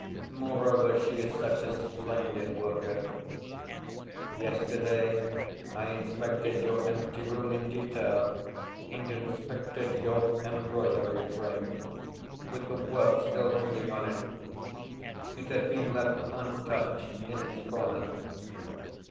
Moreover, she is such a splendid worker. Yesterday I inspected your empty room in detail, and inspected your embroidery frame, with the work still hanging on it. It had been left untouched in its corner.